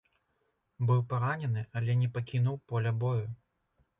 Быў паранены, але не пакінуў поля бою.